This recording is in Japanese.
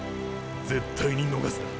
絶対に逃すな。